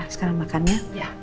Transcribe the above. sekarang makan ya